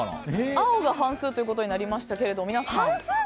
青が半数ということになりましたけど皆さん。